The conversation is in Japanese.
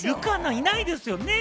いないですよね。